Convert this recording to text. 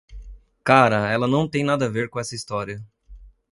Cara, ela não tem nada a ver com essa história.